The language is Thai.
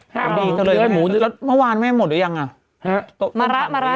ขอบินก็เลยแม่แล้วเมื่อวานแม่หมดแล้วยังน้ำมะละ